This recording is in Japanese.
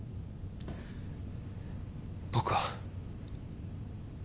僕は。